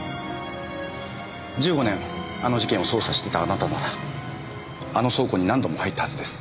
１５年あの事件を捜査してたあなたならあの倉庫に何度も入ったはずです。